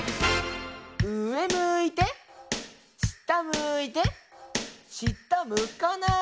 うえむいてしたむいてしたむかないでした